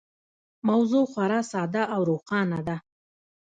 موضوع خورا ساده او روښانه ده.